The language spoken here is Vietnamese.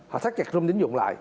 họ thắt chặt rung tín dụng lại